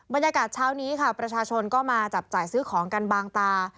บรรยากาศเช้านี้ค่ะประชาชนก็มาจับจ่ายซื้อของกันบางตา